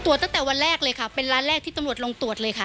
ตั้งแต่วันแรกเลยค่ะเป็นร้านแรกที่ตำรวจลงตรวจเลยค่ะ